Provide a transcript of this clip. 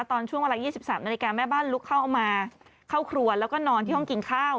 ตอนช่วงเวลา๒๓นาฬิกาแม่บ้านลุกเข้ามาเข้าครัวแล้วก็นอนที่ห้องกินข้าว